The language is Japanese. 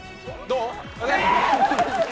どう？